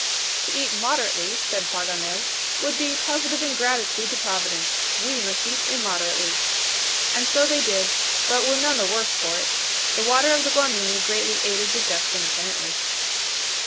"To eat moderately," said Paganel, "would be positive ingratitude to Providence. We must eat immoderately." And so they did, but were none the worse for it. The water of the Guamini greatly aided digestion apparently.